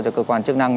cho cơ quan chức năng